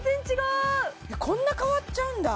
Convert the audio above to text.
えっこんな変わっちゃうんだ